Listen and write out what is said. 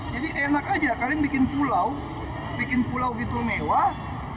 jadi enak aja kalian bikin pulau bikin pulau gitu mewah